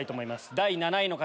第７位の方！